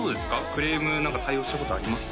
クレーム何か対応したことあります？